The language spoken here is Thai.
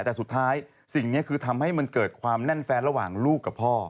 แต่สุดท้ายสิ่งนี้คือทำให้มันเกิดความแน่นแฟนระหว่างลูกกับพ่อ